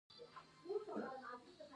تور، سور او شین د ملي بیرغ رنګونه دي.